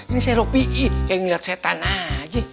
ini seropi kayak ngeliat setan aja